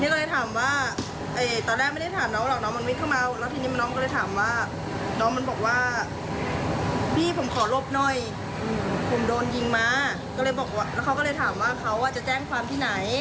เราก็เลยปิดประตูให้น้องเขาอยู่ข้างใน